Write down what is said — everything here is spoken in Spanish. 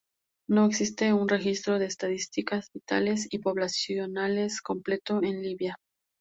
No existe un registro de estadísticas vitales y poblacionales completo en Libia.